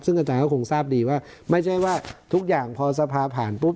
ซึ่งอาจารย์ก็คงทราบดีว่าไม่ใช่ว่าทุกอย่างพอสภาผ่านปุ๊บ